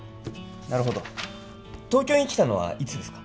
なるほど東京に来たのはいつですか？